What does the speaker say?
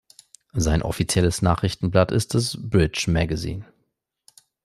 Sein offizielles Nachrichtenblatt ist das Bridge Magazin.